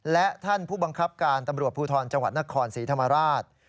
และท่านผู้บังคับการตำรวจภูทรจังหวัดนครศรีธรรมราช